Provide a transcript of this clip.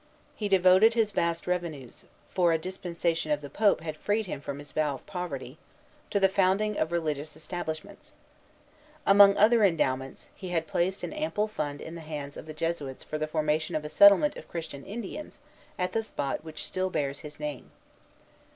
He devoted his vast revenues for a dispensation of the Pope had freed him from his vow of poverty to the founding of religious establishments. Among other endowments, he had placed an ample fund in the hands of the Jesuits for the formation of a settlement of Christian Indians at the spot which still bears his name.